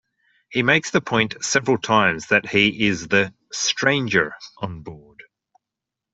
He makes the point several times that he is the "stranger" on board.